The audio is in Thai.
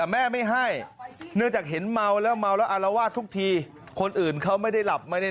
แม่ไม่ให้เนื่องจากเห็นเมาแล้วเมาแล้วอารวาสทุกทีคนอื่นเขาไม่ได้หลับไม่ได้